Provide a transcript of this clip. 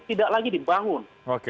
tidak lagi dibangun